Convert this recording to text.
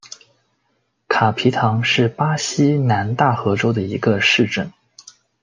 卡皮唐是巴西南大河州的一个市镇。